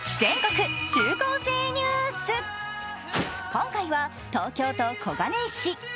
今回は東京都小金井市。